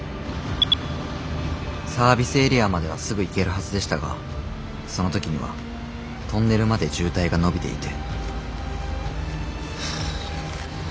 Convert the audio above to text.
サービスエリアまではすぐ行けるはずでしたがその時にはトンネルまで渋滞がのびていて。